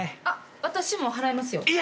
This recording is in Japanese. あっ私も払いますよ。